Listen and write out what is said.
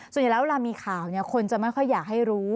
ส่วนใหญ่แล้วเวลามีข่าวคนจะไม่ค่อยอยากให้รู้